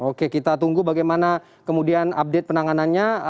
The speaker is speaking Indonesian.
oke kita tunggu bagaimana kemudian update penanganannya